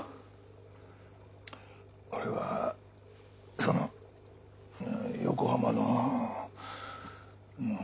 俺はその横浜の。